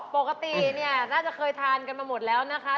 ปกติเนี่ยน่าจะเคยทานกันมาหมดแล้วนะคะ